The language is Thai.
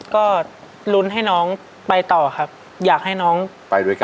ก็ลุ้นให้น้องไปต่อครับอยากให้น้องไปด้วยกัน